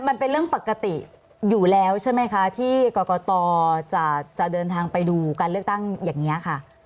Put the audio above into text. มันเป็นเรื่องปกติอยู่แล้วใช่ไหมคะที่กรกตจะเดินทางไปดูการเลือกตั้งอย่างนี้ค่ะ